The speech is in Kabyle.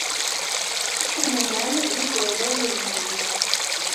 Akken ma llan d igerdan ilemriyen.